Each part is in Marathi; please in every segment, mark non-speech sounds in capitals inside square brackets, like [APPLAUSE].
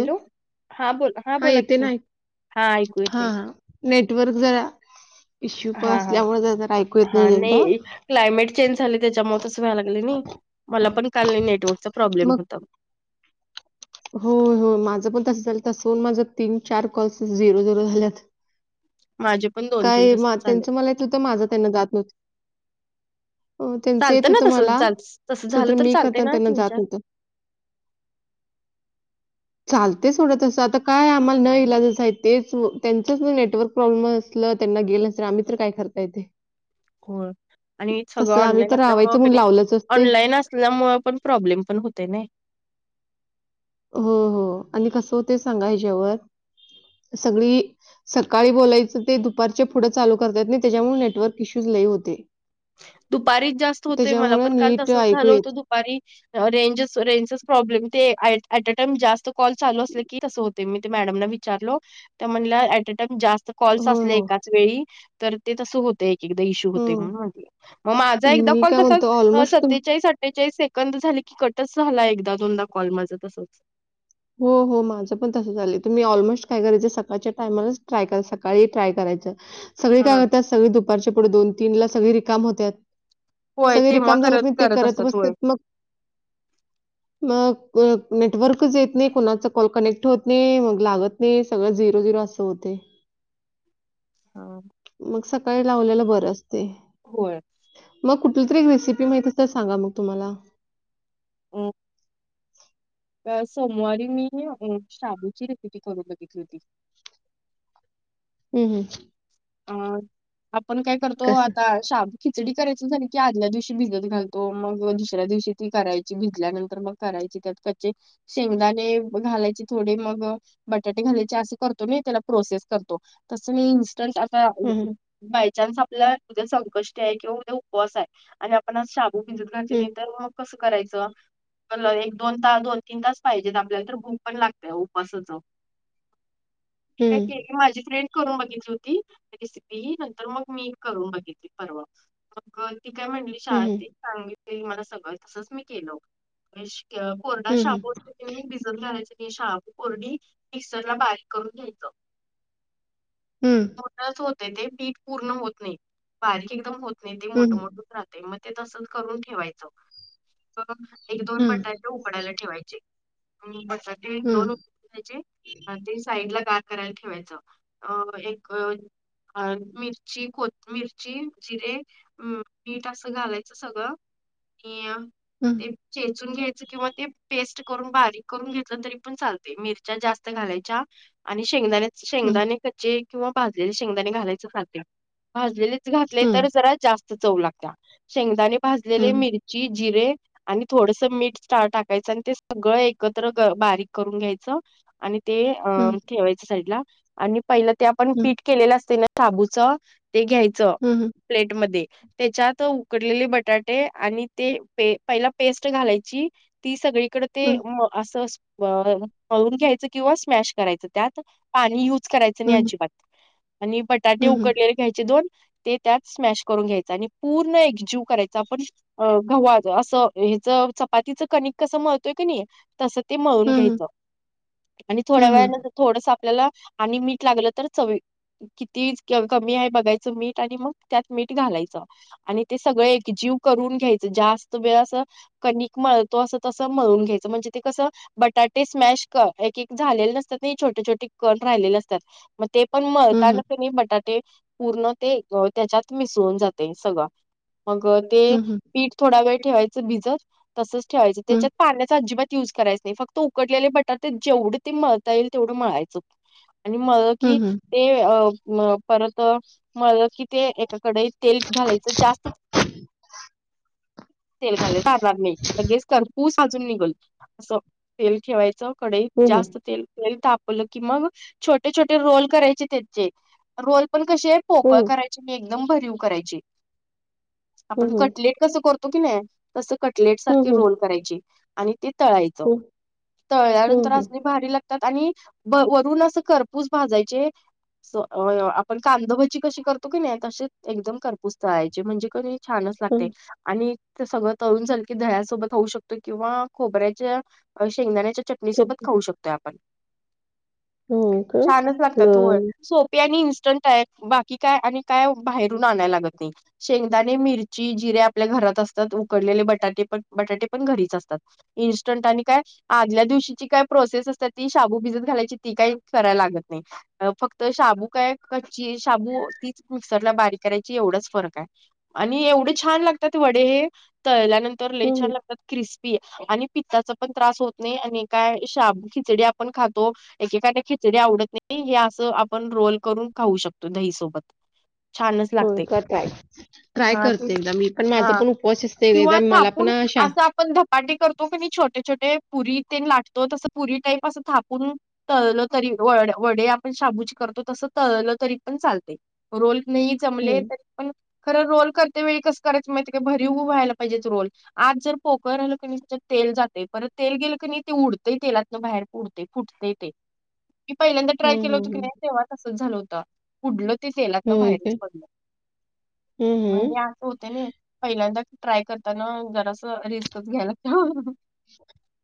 हॅलो हा बोल हा येते बोलाकी ना ऐक हा ऐकू येत हा हा नेटवर्क जर इश्यू हा पण हा असल्यामुळे ऐकू येत नाही एकदा क्लायमेट चेंज झाले त्याच्यामुळे तस वयला लागले नाही मला पण काल नेटवर्कचा प्रॉब्लेम होता हो हो माझं पण तस झालं तसं प माझ तीन चार कॉल्स झिरो झरो झाल्यात माझे पण दोन तीन काय म तसच झाले त्यांचं मला तू तर माझा त्यांना जात नव्हत हो त्यांचं येत चालतं ना होतं मला तस तसं स झालं तर मी चालतंय खातना ना त्यांना तीन जात चार होतं लतेच ोडं तसं आता काय आम्हाला न इलाजस आहे तेच त्यांचच नेटवर्क प्रॉब्लेम असलं त्यांना गे न तर आम्ही तर काय करता येते हो आणि सगळं तसं आम्ही ऑनलाईन तर असल्यामु रावायचं क म्हणून नाही लावलंच असते ऑनलाईन अस ना मुळं पण प्रॉब्लेम पण होते नाही हो हो आणि कस होते सांगा हच्यावर सगळी सकाळी बोलायचं ते दुपारच्या पुढं चालू करतात नाही त्याच्यामुळे नेटवर्क इश्यूज लई होते. दुपारी जास्त होतय मला त्याच्यामुळे पण काल नीट तसंच ऐकू झालं होत येत दु पारी रेंज रेंज प्रॉब्लेम अ टाईम जास्त कॉल चालू असल की होत. ते मी ते मॅडम विचारलो त्या म्हणल्या अट्या टाईम जास्त कॉल्स हो, असलं हो. एका च वेळी तर ते तसं होतं एक एकदा इशू होते हं. म्हणून म्हंटल्या. मग माझा एकदा मी कॉल काय तसा म्हणतो ऑलमोस्ट तुम सत्तेचाळीस अठ्ठेचाळीस से कंद झाली की कटच झाला एकदा दोनदा कॉल माझ तसंच. हो हो माझं पण तसं झालं तुम्ही ऑलमोस्ट काय करायच सकाळच्या टायमालाच ट्राय करा सकाळी ट्राय करायचं. सगळे हा. काय करतात सगळी दुपारच्या पुढे दोन तीन ला सगळे रिकाम होतात. होय सगळे तेव्हा रिकाम झालं करत कि ते करत असतात होय. बसत मग मग नेटवर्कच येत नाही कोणाच कॉल कनेक्ट होत नाही मग लागत नाही सगळं झिरो झिरो असं होतय. हा. मग सकाळी लावलेला बरं असतय. होय. मग कुठली तरी एक रेसिपी माहिती आसली तर सांगा मग तुम्हाला. म सोमवारी मी शाबूची रेसिपी करून बघितली होती. हम्म हम्म. अ आपण काय करतो कसं? आता शाब खिचडी करायच झाली की आदल्या दिवशी भिजत घालतो मग दुसऱ्या दिवशी ती करायची भिजल्यानंतर मग करायची त्यात कच्चे शेंगदाणे घालायचे थोडे मग बटाटे घालायचे असे करतो ना त्याला प्रोसेस करतो. तस मी इन्स्टंट आता हं, हं. बाय चान्स आपल्याला उद्या संकष्टी आहे किंवा उद्या उपवास आहे आणि आपण आज शाबू भिजत घातली हं, नाही तर मग कसं करायचं. कल एक दोन तास दोन तीन तास पाहिजेत आपल्याला तर भूक पण लागतय उपासाच. काय हं. के माझी फ्रेंड करून बघितली होती. रेसिपी नंतर मग मी करून बघितली परवा मग ती काय म्हटली हं, शाळ हं. सांगितली मला सगळं तसच मी केलं. कोरडा हं, हं. शाबू असते कणी भिजत घालायचे ते शाबू कोरडी मिक्सरला बारीक करून घ्यायचं. हम्म. मोठच होत ते पीठ पूर्ण होत नाही बारीक एकदम होत नाही ते मोठमोठ हं. च राहते मग ते तस करून ठेवाच एक दोन हं, हं. बटाटे उकडायला ठेवायचे म ते हं, दोन घ्यायचे ते साईड ला गार करायला ठेवायचं अ एक अ मिर्ची कोत मिरची जिरे हम्म मीठ असं घालायचं सगळं आणि हम्म. ते चेचून घ्यायच किंवा ते पेस्ट करून बारीक करून घेतलं तरी पण चालते मिरच्या जास्त घालायच्या. आणि शेंगदाण्या हं, शेंगदाणे कच्चे किंवा भाजलेले शेंगदाणे घालायचे [UNINTELLIGIBLE] भाजलेले घातले हं. तर जरा जास्त चव लागत्या शेंगदाने हं, भाजलेले हं. मिरची जिरे आणि थोडसं मीठ स्टार टाकायचं आणि ते सगळं एकत्र बारीक करून घ्यायचं. आणि ते ठेवायच साईडला आणि पहिलं ते आपण पीठ केलेलं असते ना शाबूच ते घ्यायचं हं, हं. प्लेट मध्ये. त्याच्यात उकडलेले बटाटे आणि ते पहिला पेस्ट घालायची. ती सगळी तकड ते असं पळून घ्यायचं किंवा स्मॅश करायचं त्यात. पाणी युज करायचं हं, नाही हं. अजिबात आणि बटाटे हं, हं. उकडलेले घ्यायचे दोन. ते त्यात स्मॅश करून घ्यायचं आणि पूर्ण एकजीव करायचा आपण. अ गव्हा असं हेच चपातीच कणिक कसं मळतोय की नाही तस ते मळून हं, हं. घ्यायचं आणि थोड्या हं, हं. वेळानं थोडस आपल्याला आणि मीठ लागलं तर चावी किती कमी आहे बघायचं मीठ आणि मग त्यात मीठ घालायचं. आणि ते सगळं एकजीव करून घ्यायचं जास्त वेळ असं. कणिक मळतो असं तसं मळून घ्यायचं म्हणजे ते कसं. बटाटे स्मॅश एक एक झालेले नसतात नाही छोटे छोटे कन राहिलेले असतात. ते पण हं, हं. मळताना की नाही बटाट. पूर्ण ते त्याच्यात मिसळून जाते सगळं मग ते हं, हं. पीठ. थोडा वेळ ठेवायचं भिजत तसच ठेवायचं हं. त्याच्यात पाण्याचा अजिबात. युज करायच नाही फक्त उकडलेले बटाटे जेवढे ते मळता येईल तेवढं मळायचं आणि म. कि. हं, हं. हं. ए ओ म परत. माळलं की ते एका कढईत तेल घालायचं जास्त तेल घालेरणार नाही लगेच करपूस साजून निघल. असं तेल ठेवायचं कडइत हो, हो. जास्त तेल तेल तापवलं की मग छोटे छोटे. रोल करायचे त्याचे रोल पण कसे हो, पोकळ करायची आणि एकदम भरीव करायची. हो, आपण हो. कटलेट कसं करतो कि नाही तसं कटलेट हो, सारखी हो. रोल करायची. आणि ते तळायचं हो, हो, तळल्यानंतर हो. असने भारी लागता. आणि वरून असं खरपूस भाजायचे. आपण कांदाभची कशी करतो की नाही तसे एकदम करपूस तळायचे म्हणजे कध. छानच लागते हं. आणि ते सगळं तळून झाल की दया सोबत होऊ शकतो किंवा खोबऱ्याच्या. शेंगदाण्याच्या चटणीसोबत चटणी. खाऊ शकतोय आपण. हो. का? छानच लागतात होय बरं. सो. पी आणि इन्स्टंट आहे बाकी काय आणि काय बाहेरून आणायला लागत नाही. शेंगदाणे मिरची जिरे आपल्या घरात असतात उकडलेले बटाटे पण बटाटे पण घरीच असतात. इन्स्टंट आणि काय आदल्या दिवशीची काय प्रोसेस असतात ती शाबू भिजत घालायची ती काही. करायला लागत नाही. फक्त शाबू काय कच्ची शाबू तीच मिक्सरला बारीक करायची एवढाच फरक आहे. आणि एवढे छान लागतात वडे हे तळल्यानंतर हं, लई छान हं. लागतात क्रिस्पी. आणि पित्ताचा पण त्रास होत नाही आणि काय शाब खिचडी आपण खातो एकेकाद खि. जरी आवडत नाही हे असं आपण रोल करून खाऊ शकतो दही सोबत. छानच होय लागते. का ताई. ट्राय हा करते तेच एकदा मी पण माझा हा. पण उपवास असते एकदा मला पण अशा. पण धपाटी करतो की नाही छोटे छोटे पुरी ते लाटतो तसं पुरी टाईप असं थापून. तळलं तरी व वडे आपण शाबू करतो तसं तळलं तरी पण चालते. रोल नाही जमले हं, तरी. पण खरं रोल करते वेळी कस करायचं माहिती का भरी उभं व्हायला पाहिजे रोल. आज जर पोकर राहील क त्याच्यात तेल जाते परत तेल गेलं की ते उडतं तेलातन बाहेर. पुडते फुटते ते मी पहिल्यांदा ट्राय हं, केलं होत हं, की हं. नाही तेव्हा तसंच झाल होत. उडलं तेलात ना होय काय? बाहेरच पडलं हं, हं. म्हणे होते ना पहिल्यांदा ट्राय करताना जरास रिस्कच घ्यायला.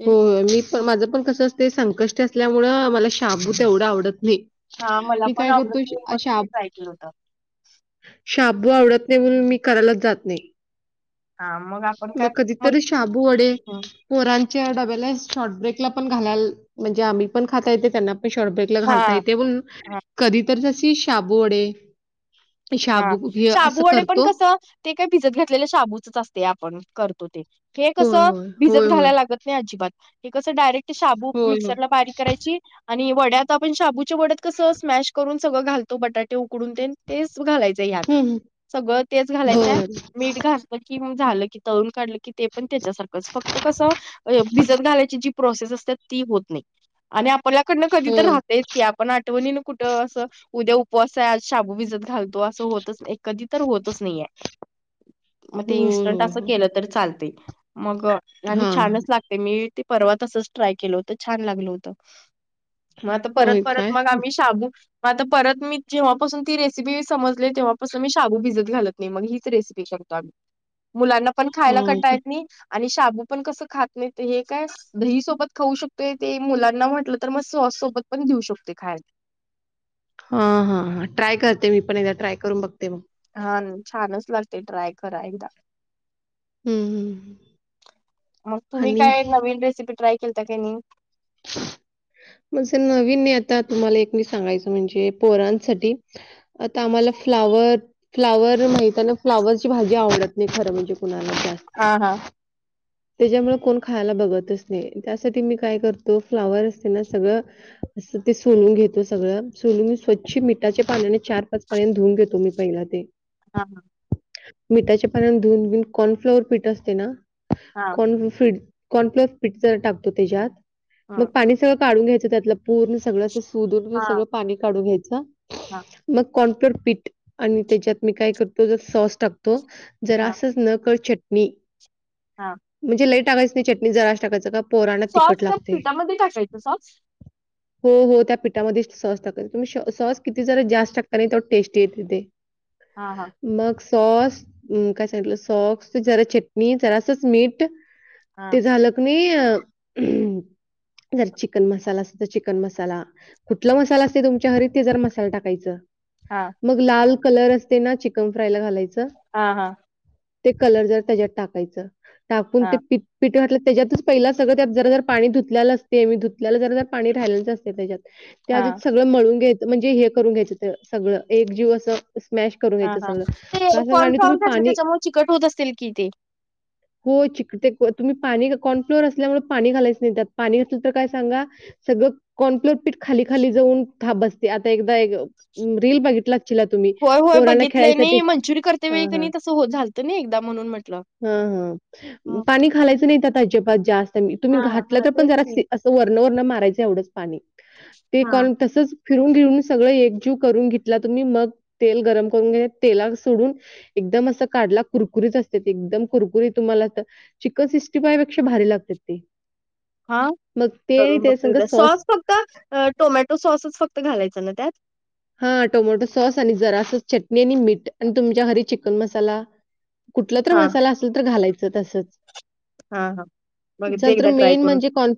ते हो मी पण माझं पण कसं असते संकष्ट असल्यामुंळ मला शाबू तेवढं आवडत नाही. हा मला मी पण काय करतो आवडत शा म्हणून ते शाब ट्राय केलं होत. शाबू आवडत नाही म्हणून मी करायलाच जात नाही. हां, आपण काय मग कधीतरी शाबू वडे. हं, पोरांच्या डब्याला शॉर्ट ब्रेकला पण घालायला म्हणजे आम्ही पण खाता येते त्यांना पण शॉर्ट ब्रेक घालता हां. येत ब कधी तरशी शाबू वडे. हा. शाबू हे असं शाबू वडे पण करतो. कस ते काय भिजत घातलेले शाबूचच असते आपण करतो ते. हे होय, कसं होय. भिजत होय, होय. घालायला लागत - - नाही अजिबात. हे कसं डायरेक्ट शाबू होय, होय. मिक्सरला बारीक करायची आणि वड्या आता आपण शाबूचे वड्यात कसं स्मॅश करून सगळ घालतो बटाटे उकडून ते. तेच घालायचंय यात हं, हं. सगळं तेच घालायचंय बरं. मीठ घाल. की मग झालं की तळून काढलं की ते पण त्याच्यासारखंच फक्त कसं. भिजत घालायची जी प्रोसेस असत्या ती होत नाही. आणि आपल्याला ड कधी तर होय. राहतयंच की आपण आठवणी कुठं असं उद्या उपवास हाय आज शबू भिजत घालतो असं होतच एक. कधी तर होतच नाहीेयं. मग ते होय, इनस्टंट होय, असं होय. केलं तर चालतयं. मग आणि हां. छानच लागतयं. मी ते परवा तसच ट्राय केलं होत छान लागलं होतं. मग आता परत होय परत काय? मग आम्ही शाबू मग आता परत मी जेव्हापासून ती रे सिपी समजली तेव्हास मी शाबू भिजत घालत नाही मग हीच रेसिपी करतो आम्ही. मुलांना पण खायला हां, कटाळ येत नाही आणि शाबू पण कसं खात नाहीत. हे काय दही सोबत खाऊ शकतोय ते मुलांना म्हटलं तर मग सॉस सोबत पण देऊ शकतोय खायाला. हा हा. ट्राय करते मी पण एकदा ट्राय करून बघते मग. हा. छानच लागते. ट्राय करा एकदा. हं, हं. हं. मग तुम्ही आणि काय नवीन रेसिपी ट्राय केलता का नाही? म्हणजे नवीन मी आता तुम्हाला एक मी सांगायचं म्हणजे पोरांसाठी आता आम्हाला फ्लावर फ्लावर माहिताना फ्लावरची भाजी आवडत नाही खरं म्हणजे कुणाला हा जास्त. हा. त्याच्यामुळे कोण खायला बघतच नाही. त्यासाठी मी काय करतो. फ्लावर असते ना सगळं असं ते सोलून घेतो सगळं सोलून मी स्वच्छ मिठाच्या पाण्याने चार पाच [UNINTELLIGIBLE] धुऊन घेतो मी पहिला ते. हां. हां. मिठाच्या पाना धुन बिवुन कॉर्नफ्लॉवर पीठ असतयं ना. हा कॉनफिट कॉर्नफ्लोअरचं पिठ जरा टाकतो तेज्यात मग हं. पाणि सगळं काढून घ्यायचं त्यातलं पूर्ण सगळं अस सुधून हा सगळं पाणी काढून घ्यायचं. हा मग कॉनप्युर पीठ आणि त्याच्यात मी काय करतो ज सॉस टाकतो जरा हा असंच न कळतं चट णी - - हा. म्हणजे लई टाकायच नाही चटणी जराशी टाकायंच. का पोरांना सॉस तिखट त्या लागते पिठामध्ये टाकायचं सॉस? हो. हो. त्या पिठामध्ये सॉस टाकत तुम्ही सॉस किती जरा जास्त टाकता ना तेवढ टेस्टी येति ते. हा. हा. मग सॉस काय सांगितलं सॉस जरा चटणी जरासच मीठ. हा ते झालं कनी जरा चिकन मसाला असल तर चिकन मसाला. कुठल मसाला असते तुमच्या घरी ते जरा मसाल टाकायचं. हा. मग लाल कलर असते ना चिकन फ्राय ला घालायचं. हा. हा. ते कलर जर त्याच्यात टाकायचं टाकून हा ते पिट पीठ घातल त्याच्यातच पहिला सगळं त्यात जरा जरा पाणी धुतलेलं असते मी धुतलेल्या जरा जरा पाणी राहिलंच असते त्याच्यात हा त्याआधी सगळं मळून घ्यायचं म्हणजे हे करून घ्यायचं ते सगळं एकजीव असं स्मॅश करून हा घ्यायचं हा सगळं ते काय सांगा आणि कॉर्नफ्लॉवर तुम्ही घातले पाणी त्याच्यामुळे चिकट होत असतील कि ते? हो चिक ते तुम्ही पाणी कॉर्नफ्लोअर असल्यामुळे पाणी घालायचं नाही त्यात पाणी असल तर काय सांगा सगळं कॉनफ्लोर पीठ खाली खाली जाऊन थांब आता एकदा एक रील बघितला अचिला तुम्ही पोरांना खेळायसाठी त्या वेळी हां, कनी तसं होत झालतं नाही एकदा म्हणून म्हटलं. हा हा. ह पाणी घालायचं नाही त्यात अजिबात जास्त तुम्ही हा घातलं हा तर पण तेच जरा की असं वर्ण वर्ण मारायचं एवढंच पाणी ते हा करून तसंच फिरून घिऊून सगळं एकजीव करून घेतला तुम्ही मग तेल गरम करून घे तेला सोडून - - एकदम असं काढला कुरकुरीत असतय एकदम कुरकुरीत तुम्हाला तर चिकन सिक्स्टी फाय पेक्षा भारी लागत्यात ते हा मग ते आणि करून बघतो त्याच्यासंग एकदा. सॉस फक्त टोमॅटो सॉसच फक्त घालायचं ना त्यात? हा टोमॅटो सॉस आणि जरास चटणी आणि मीठ आणि तुमच्या हरी चिकन मसाला कुठला तर हा मसाला असल तर घालायचं तसंच हा हा बघते त्याच्यात तर एकदा ट्राय मेन करून म्हणजे कॉर्न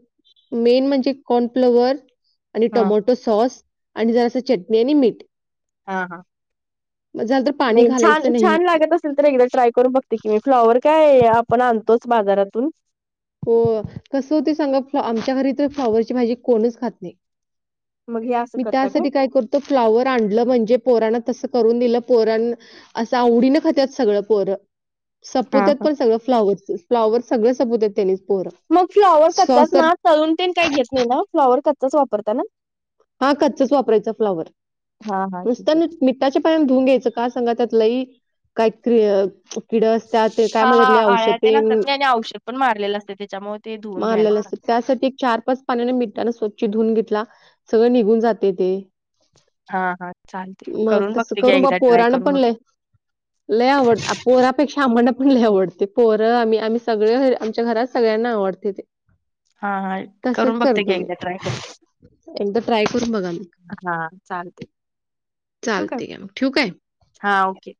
मेन म्हणजे कॉर्नफ्लॉवर आणि हा टोमॅटो सॉस आणि जरास चटणी मेनीमीट हा हा झालं तर पाणी नाही छान घालायचं नाही. छान लागत असल असल तर एकदा ट्राय करून बघते की मी फ्लॉवर काय आपण आणतोच बाजारातून हो कसं होते सांगा आमच्या घरी तर फ्लॉवरची भाजी कोणीच खात नाही. मग हे असं मी करता त्यासाठी काय करतो फ्लावर आणलं म्हणजे पोरान तस करून दिलं पोरन असं आवडीनं खात्यात सगळं पोरं हा संपोवत्यात हा पण सगळं फ्लॉवर्स फ्लॉवर सगळं संपोवत्यात त्यांनीच पोर मग फ्लॉवर कच्चाच ना तलून तेन काही घेत नाही ना फ्लॉवर कच्चाच वापरता ना हा कच्चच वापरायचा फ्लावर हा हा ठीक नुसता आहे ना ठीक. मिठाच्या पाण्याने धुऊन घ्यायचं काय सांगा त्यात लई काय तरी किड असतात त्यात ते काय हा म्हणत्यात औषध आळ्या ते असतात तेन नाही आणि औषध पण मारलेलं असते त्याच्यामुळे ते धुवून घ्यायला मारलेलं लागतात असत. त्यासाठी एक चार पाच पाण्याने मिठाने स्वच्छ धुवून घेतला सगळं निघून जाते ते हा हा चालते मग करून तसं बघते घ्या करून बा एकदा ट्राय पोरानं करून पण बघते. लय लय आवड पोरापेक्षा आम्हाना पण लय आवडते पोरं आम्ही आम्ही सगळे आमच्या घरात सगळ्यांना आवडते ते हा हा करून तसंच बघते की करतो मी एकदा ट्राय करते. एकदा ट्राय करून बघा हा चालते ठेवू काय चालते ठेवू का? हा ओके.